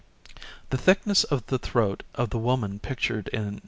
71] The thickness of the throat of the woman pictured in No.